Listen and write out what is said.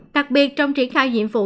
đặc biệt trong triển khai nhiệm vụ